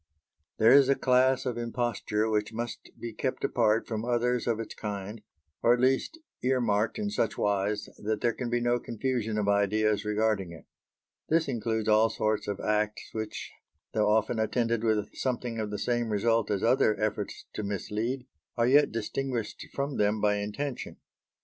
There is a class of imposture which must be kept apart from others of its kind, or at least ear marked in such wise that there can be no confusion of ideas regarding it. This includes all sorts of acts which, though often attended with something of the same result as other efforts to mislead, are yet distinguished from them by intention.